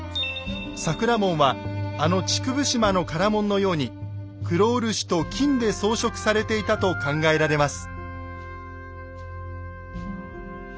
桜門はあの竹生島の唐門のように黒漆と金で装飾されていたと考えられます。